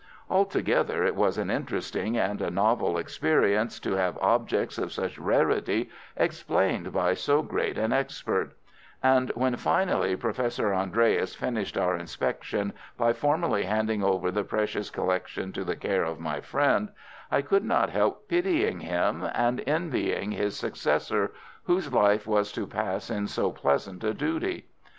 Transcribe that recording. Altogether it was an interesting and a novel experience to have objects of such rarity explained by so great an expert; and when, finally, Professor Andreas finished our inspection by formally handing over the precious collection to the care of my friend, I could not help pitying him and envying his successor whose life was to pass in so pleasant a duty.